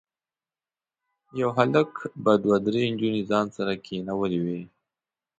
یو هلک به دوه درې نجونې ځان سره کېنولي وي.